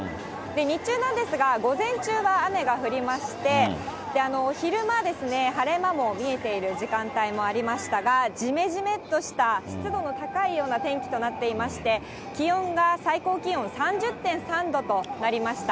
日中なんですが、午前中は雨が降りまして、昼間ですね、晴れ間も見えている時間帯もありましたが、じめじめっとした湿度の高いような天気となっていまして、気温が最高気温３０．３度となりました。